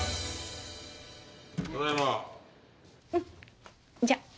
うんじゃあ。